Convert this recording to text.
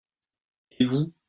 Et vous ?